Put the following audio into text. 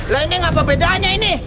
lah ini gapapa bedanya ini